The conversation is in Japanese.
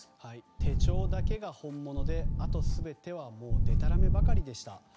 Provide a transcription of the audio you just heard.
手帳だけが本物であと全てはでたらめばかりでした。